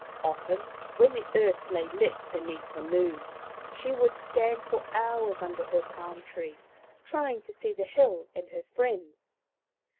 Often when the earth lay lit beneath the Moon she would stand for hours under her palm tree, trying to see the hill and her friends.